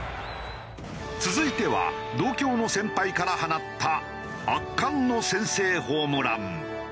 続いては同郷の先輩から放った圧巻の先制ホームラン。